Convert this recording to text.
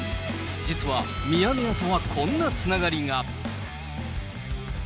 実はミヤネ屋とはこんなつながりが。